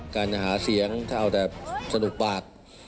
การจะหาเสียงถ้าเอาแต่สนุกปาก